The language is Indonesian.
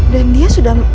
dan dia sudah